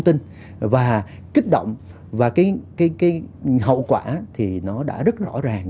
những cái thông tin và kích động và cái hậu quả thì nó đã rất rõ ràng